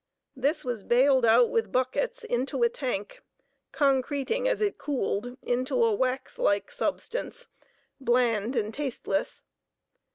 This was bailed out with buckets into a tank, concreting as it cooled into a wax like substance, bland and tasteless.